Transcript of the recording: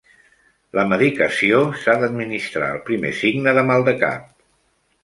La medicació s'ha d'administrar al primer signe de mal de cap.